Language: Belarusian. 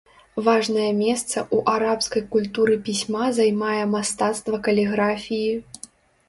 Важнае месца ў арабскай культуры пісьма займае мастацтва каліграфіі.